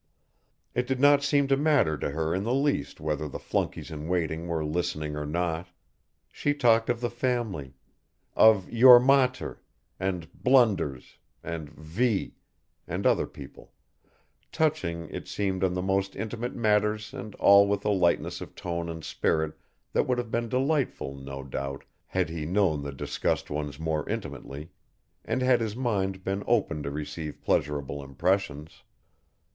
It did not seem to matter to her in the least whether the flunkeys in waiting were listening or not, she talked of the family, of "your mater" and "Blunders" and "V" and other people, touching, it seemed on the most intimate matters and all with a lightness of tone and spirit that would have been delightful, no doubt, had he known the discussed ones more intimately, and had his mind been open to receive pleasurable impressions.